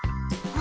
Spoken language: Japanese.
あ！